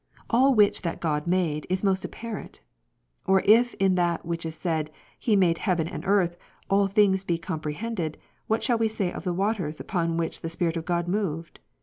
All which that God made, is most apparent. Or if in that which is said, He made heaven and earth, all things be comprehended, what shall we say of the waters, upon which the Spirit of God moved?